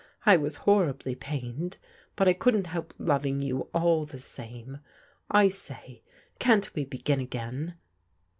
I was horribly pained, but I couldn't help loving you all the time. I say, can't we bq;in again